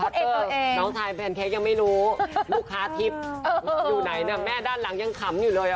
น้องชายแพนเค้กยังไม่รู้ลูกค้าทิพย์อยู่ไหนเนี่ยแม่ด้านหลังยังขำอยู่เลยอ่ะ